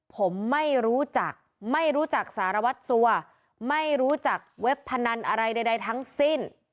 ผมไม่รู้จักสารวัฒนสั่วไม่รู้จักเว็บพณีรอะไรใดทั้งสิ้น